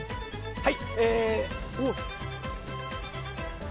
はい。